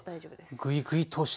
あっぐいぐいと押して。